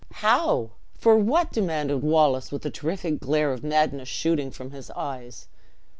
"How? for what?" demanded Wallace, with the terrific glare of madness shooting from his eyes.